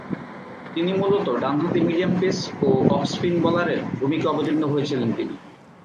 তিনি মূলতঃ ডানহাতি মিডিয়াম-পেস ও অফ-স্পিন বোলারের ভূমিকায় অবতীর্ণ হয়েছিলেন তিনি।